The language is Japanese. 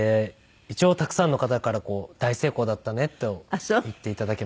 一応たくさんの方からこう大成功だったねと言っていただけました。